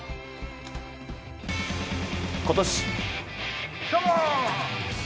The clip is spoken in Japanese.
今年。